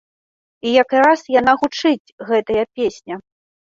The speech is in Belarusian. І якраз яна гучыць, гэтая песня!